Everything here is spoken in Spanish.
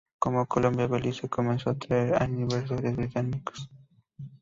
Como colonia, Belice comenzó a atraer a inversores británicos.